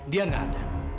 dia nggak ada